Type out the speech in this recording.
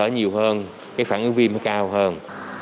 nhiều hơn cái phản ứng viêm nó cao hơn